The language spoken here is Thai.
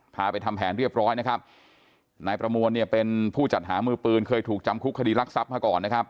ไปทำแผนเรียบร้อยนะครับนายประมวลเนี่ยเป็นผู้จัดหามือปืนเคยถูกจำคุกคดีรักทรัพย์มาก่อนนะครับ